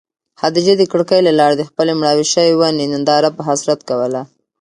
خدیجې د کړکۍ له لارې د خپلې مړاوې شوې ونې ننداره په حسرت کوله.